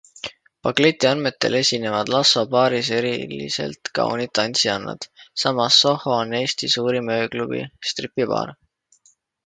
Bukleti andmetel esinevad Lasso Baaris eriliselt kaunid tantsijannad, samas Soho on Eestis suurim ööklubi-stripibaar.